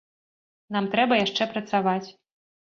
Нам трэба яшчэ працаваць.